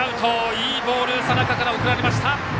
いいボール佐仲から送られました。